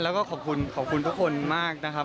แล้วก็ขอบคุณขอบคุณทุกคนมากนะครับ